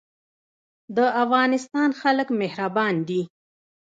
د افغانستان خلک مهربان دي